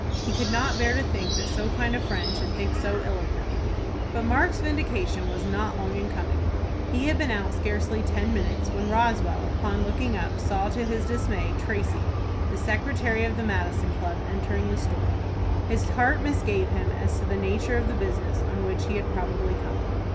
He could not bear to think that so kind a friend should think so ill of him. But Mark's vindication was not long in coming. He had been out scarcely ten minutes when Roswell, on looking up, saw to his dismay Tracy, the secretary of the Madison Club, entering the store. His heart misgave him as to the nature of the business on which he had probably come.